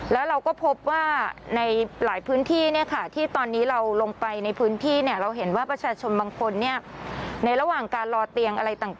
แล้วเราก็พบว่าในหลายพื้นที่เนี่ยค่ะที่ตอนนี้เราลงไปในพื้นที่เนี่ยเราเห็นว่าประชาชนบางคนเนี่ย